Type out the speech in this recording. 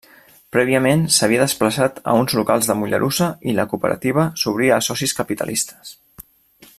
Prèviament s'havia desplaçat a uns locals de Mollerussa i la cooperativa s'obrí a socis capitalistes.